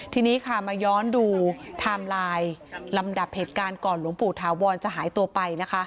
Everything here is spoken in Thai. ทีนี้ค่ะมาย้อนดูไทม์ไลน์ลำดับเหตุการณ์ก่อนหลวงปู่ถาวรจะหายตัวไปนะคะ